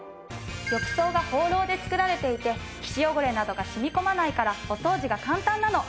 浴槽がホーローで作られていて皮脂汚れなどが染み込まないからお掃除が簡単なの。